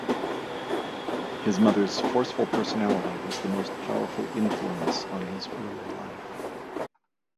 His mother's "forceful personality" was the most powerful influence on his early life.